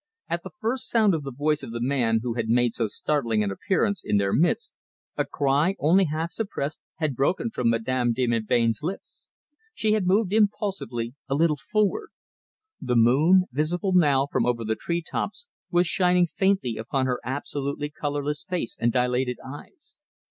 At the first sound of the voice of the man who had made so startling an appearance in their midst, a cry, only half suppressed, had broken from Madame de Melbain's lips. She had moved impulsively a little forward; the moon, visible now from over the tree tops, was shining faintly upon her absolutely colourless face and dilated eyes.